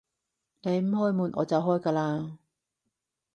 你唔開門，就我開㗎喇